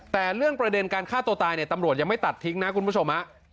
แต่เรื่องประเด็นการฆ่าตัวตายเนี่ยตำรวจยังไม่ตัดทิ้งนะคุณผู้ชม